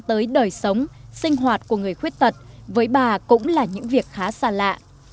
tới đời sống sinh hoạt của người khuyết tật với bà cũng là những việc khá xa lạ